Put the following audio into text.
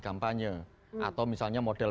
kampanye atau misalnya model